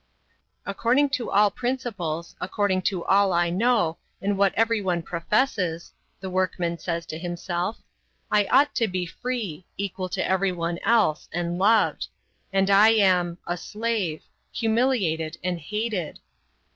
"According to all principles, according to all I know, and what everyone professes," the workman says to himself. "I ought to be free, equal to everyone else, and loved; and I am a slave, humiliated and hated."